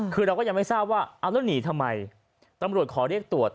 คือเราก็ยังไม่ทราบว่าเอาแล้วหนีทำไมตำรวจขอเรียกตรวจ